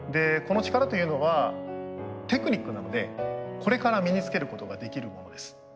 この力というのはテクニックなのでこれから身につけることができるものです。